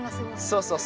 そうそう。